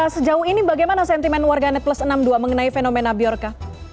sejauh ini bagaimana sentimen warganet plus enam puluh dua mengenai fenomena bjorka